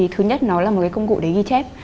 thứ nhất nó là một công cụ để ghi chép